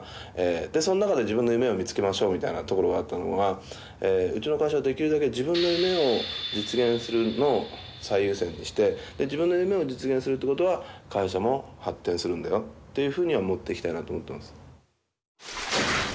でその中で自分の夢を見つけましょうみたいなところがあったのがうちの会社はできるだけ自分の夢を実現するのを最優先にして自分の夢を実現するってことは会社も発展するんだよっていうふうには持っていきたいなと思ってます。